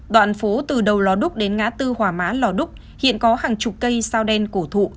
đoạn phố từ đầu lò đúc đến ngã tư hòa mã lò đúc hiện có hàng chục cây sao đen cổ thụ